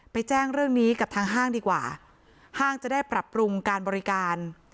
แจ้งเรื่องนี้กับทางห้างดีกว่าห้างจะได้ปรับปรุงการบริการ